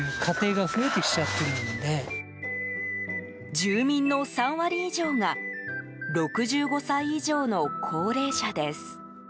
住民の３割以上が６５歳以上の高齢者です。